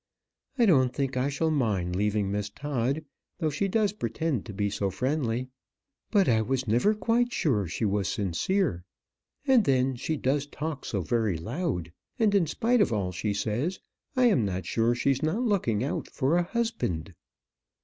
I don't think I shall mind leaving Miss Todd, though she does pretend to be so friendly; I was never quite sure she was sincere; and then she does talk so very loud; and, in spite of all she says, I am not sure she's not looking out for a husband."